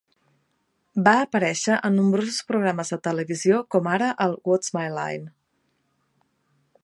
Va aparèixer en nombrosos programes de televisió, como ara el What's My Line?